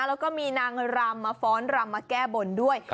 แล้วก็มีนางรำมาฟ้อนรำมาแก้บนด้วย